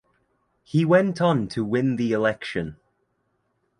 He went on to win the election.